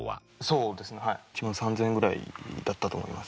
そうですね１万３０００円ぐらいだったと思います。